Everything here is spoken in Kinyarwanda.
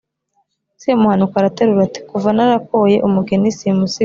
Semuhanuka araterura ati : Kuva narakoye, umugeni simusiga.